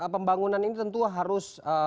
pembangunan ini tentu harus